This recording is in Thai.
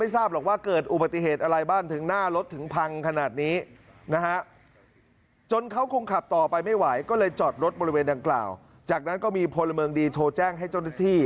ถอดรถบริเวณดังกล่าวจากนั้นก็มีพลเมิงดีโทรแจ้งให้เจ้าหน้าที่